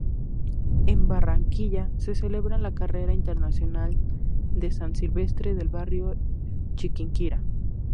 En Barranquilla se celebra la carrera internacional de San Silvestre del barrio Chiquinquirá.